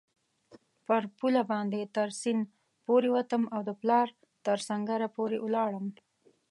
پر پله باندې تر سیند پورېوتم او د پلاوا تر سنګره پورې ولاړم.